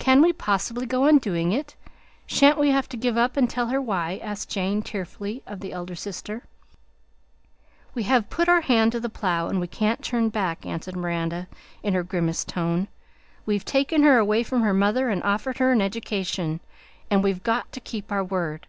"Can we possibly go on doing it? Shan't we have to give up and tell her why?" asked Jane tearfully of the elder sister. "We have put our hand to the plough, and we can't turn back," answered Miranda in her grimmest tone; "we've taken her away from her mother and offered her an education, and we've got to keep our word.